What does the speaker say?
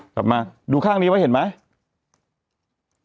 กลับมาดูข้างนี้ไว้เห็นไหม